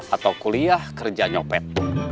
atau kuliah kerja nyopet